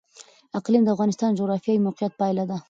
اقلیم د افغانستان د جغرافیایي موقیعت پایله ده.